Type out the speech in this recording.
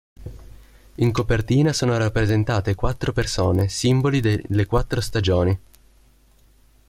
In copertina sono rappresentate quattro persone, simboli delle quattro stagioni.